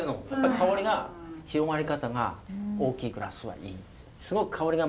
香りが広まり方が大きいグラスはいいです。